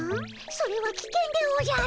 それはきけんでおじゃる。